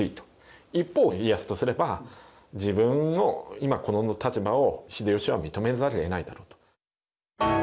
一方家康とすれば自分の今この立場を秀吉は認めざるをえないだろうと。